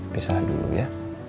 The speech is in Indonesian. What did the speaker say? pisah dulu ya